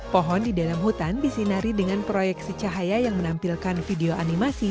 pohon di dalam hutan disinari dengan proyeksi cahaya yang menampilkan video animasi